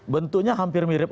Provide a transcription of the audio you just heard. bentuknya hampir mirip